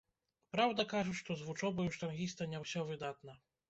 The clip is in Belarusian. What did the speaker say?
Праўда, кажуць, што з вучобай у штангіста не ўсё выдатна.